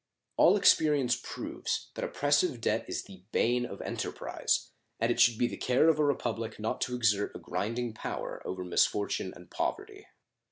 All experience proves that oppressive debt is the bane of enterprise, and it should be the care of a republic not to exert a grinding power over misfortune and poverty.